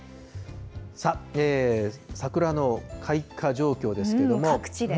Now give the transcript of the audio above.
さあ、桜の開花状況ですけれども。